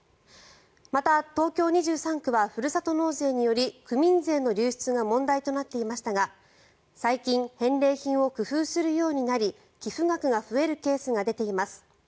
また、東京２３区はふるさと納税により区民税の流出が問題となっていましたが最近、返礼品を工夫するようになり寄付額が増えるケースが出ています。